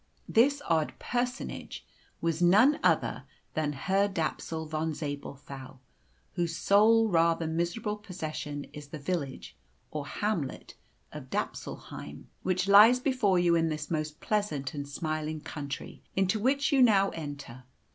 This odd personage was none other than Herr Dapsul Von Zabelthau, whose sole rather miserable possession is the village, or hamlet, of Dapsulheim, which lies before you in this most pleasant and smiling country into which you now enter.